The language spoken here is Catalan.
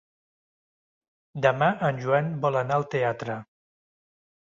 Demà en Joan vol anar al teatre.